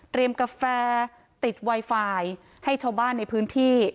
กาแฟติดไวไฟให้ชาวบ้านในพื้นที่